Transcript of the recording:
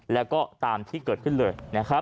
แล้วก็ตามที่เกิดขึ้นเลย